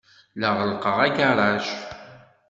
La ɣellqeɣ agaṛaj.